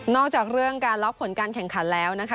จากเรื่องการล็อกผลการแข่งขันแล้วนะคะ